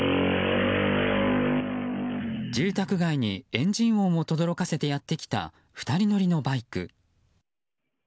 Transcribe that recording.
住宅街にエンジン音をとどろかせてやってきた２人乗りのバイク。